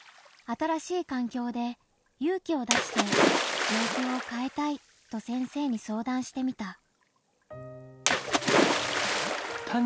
新しい環境で勇気を出して「状況を変えたい」と先生に相談してみた。